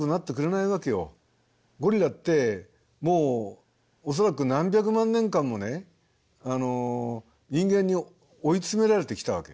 ゴリラってもう恐らく何百万年間もね人間に追い詰められてきたわけ。